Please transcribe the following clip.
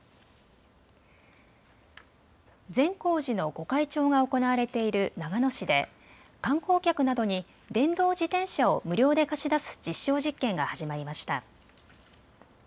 善光寺の御開帳が行われている長野市で観光客などに電動自転車を無料で貸し出す実証実験が始まりました。